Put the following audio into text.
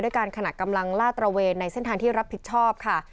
การขณะกำลังลาดตระเวนในเส้นทางที่รับผิดชอบค่ะ